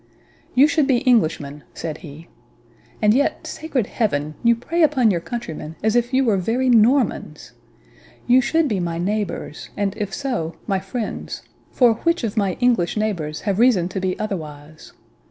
"You should be Englishmen," said he; "and yet, sacred Heaven! you prey upon your countrymen as if you were very Normans. You should be my neighbours, and, if so, my friends; for which of my English neighbours have reason to be otherwise?